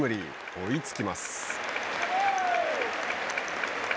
追いつきます。